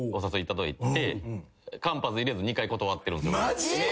マジで！？